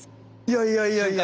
いやいやいやいや。